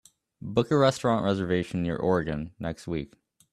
Book a restaurant reservation near Oregon next week